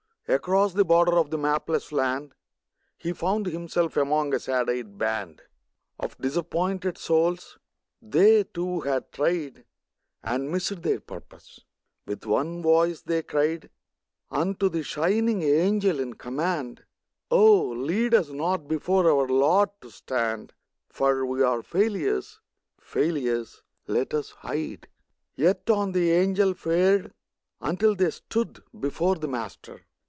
Across the border of the mapless land He found himself among a sad eyed band Of disappointed souls; they, too, had tried And missed their purpose. With one voice they cried Unto the shining Angel in command: 'Oh, lead us not before our Lord to stand, For we are failures, failures! Let us hide.' Yet on the Angel fared, until they stood Before the Master.